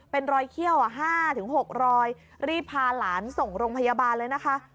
เป็นรอยเขี้ยว๕๖รอยรีบพาหลานส่งโรงพยาบาลเลยนะคะ